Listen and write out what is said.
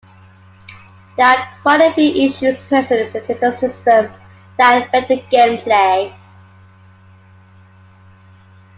There are quite a few issues present within the system that affect gameplay.